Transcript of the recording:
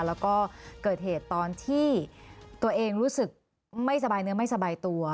แล้วก็เกิดเหตุตอนที่ตัวเองรู้สึกไม่สบายเนื้อไม่สบายตัว